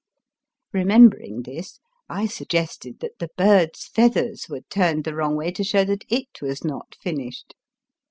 Kemembering this, I suggested that the bird's feathers were turned the wrong way to show that it was not finished.